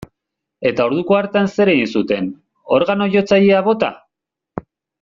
Eta orduko hartan zer egin zuten, organo-jotzailea bota?